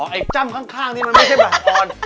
ไอ้จ้ำข้างนี่มันไม่ใช่แบบออน